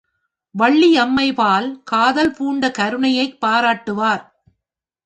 வள்ளியம்மைபால் காதல் பூண்ட கருணையைப் பாராட்டுவார்.